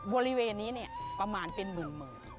บริเวณนี้เนี่ยประมาณเป็นหมื่น